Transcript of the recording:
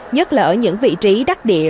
nhất là ở những vị trí đắc địa